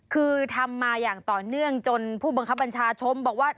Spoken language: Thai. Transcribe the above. คือทำมาอย่างต่อเนื่องจนผู้บังคับบัญชาชมบอกว่า